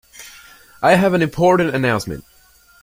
I have an important announcement